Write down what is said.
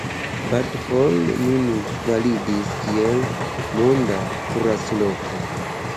Bad Hall nun validis kiel „monda kuracloko“.